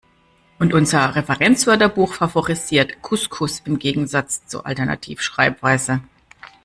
Und unser Referenzwörterbuch favorisiert Couscous im Gegensatz zur Alternativschreibweise.